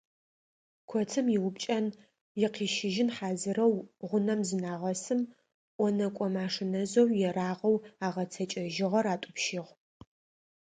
Коцым иупкӏэн, икъищыжьын хьазырэу гъунэм зынагъэсым, ӏонэкӏо машинэжъэу ерагъэу агъэцэкӏэжьыгъэр атӏупщыгъ.